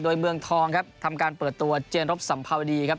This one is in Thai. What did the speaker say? โดยเมืองทองครับทำการเปิดตัวเจนรบสัมภาวดีครับ